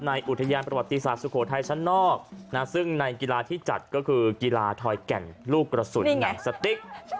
อุทยานประวัติศาสตร์สุโขทัยชั้นนอกซึ่งในกีฬาที่จัดก็คือกีฬาทอยแก่นลูกกระสุนหนังสติ๊ก